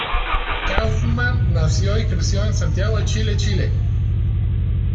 Kaufmann nació y creció en Santiago de Chile, Chile.